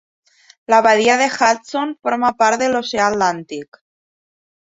La badia de Hudson forma part de l'oceà Atlàntic.